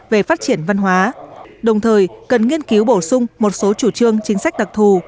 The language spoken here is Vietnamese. về phát triển văn hóa đồng thời cần nghiên cứu bổ sung một số chủ trương chính sách đặc thù